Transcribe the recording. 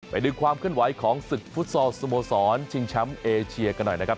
ไปดูความเคลื่อนไหวของศึกฟุตซอลสโมสรชิงแชมป์เอเชียกันหน่อยนะครับ